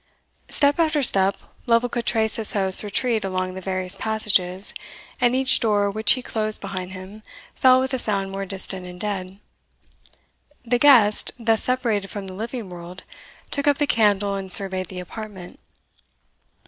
Step after step Lovel could trace his host's retreat along the various passages, and each door which he closed behind him fell with a sound more distant and dead. The guest, thus separated from the living world, took up the candle and surveyed the apartment.